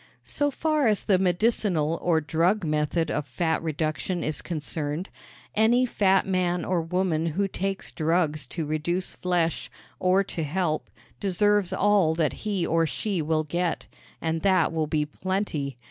So far as the medicinal or drug method of fat reduction is concerned, any fat man or woman who takes drugs to reduce flesh, or to help, deserves all that he or she will get and that will be plenty.